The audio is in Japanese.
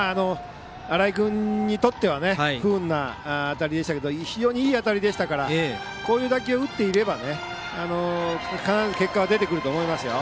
新井君にとっては不運な当たりでしたけども非常にいい当たりでしたからこういう打球を打っていれば必ず結果は出てくると思います。